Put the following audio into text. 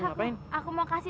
soalnya banyak di tougheter